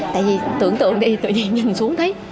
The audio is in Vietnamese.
tại vì tưởng tượng đi tự nhiên nhìn xuống thấy